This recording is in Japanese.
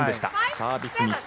サービスミス。